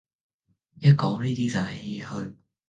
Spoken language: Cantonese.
一講呢啲就唏噓